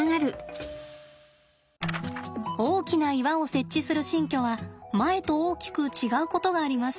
大きな岩を設置する新居は前と大きく違うことがあります。